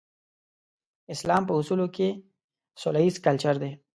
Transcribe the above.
اسلام په اصل کې سوله ييز کلچر دی.